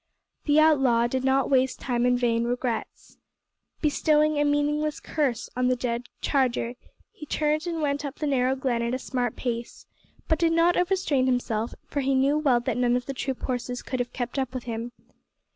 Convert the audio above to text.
The outlaw did not waste time in vain regrets. Bestowing a meaningless curse on the dead charger, he turned and went up the narrow glen at a smart pace, but did not overstrain himself, for he knew well that none of the troop horses could have kept up with him.